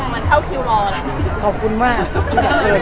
มันเข้าคิวมองแหละขอบคุณมาก